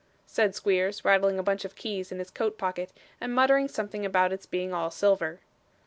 said Squeers, rattling a bunch of keys in his coat pocket, and muttering something about its being all silver.